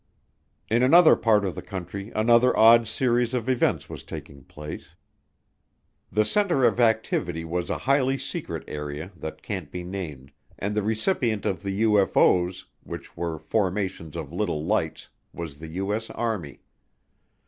In another part of the country another odd series of events was taking place. The center of activity was a highly secret area that can't be named, and the recipient of the UFO's, which were formations of little lights, was the U.S. Army.